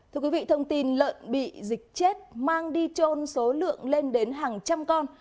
thưa quý vị thông tin lợn bị dịch chết mang đi trôn số lượng lên đến hàng trăm con